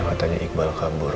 katanya iqbal kabur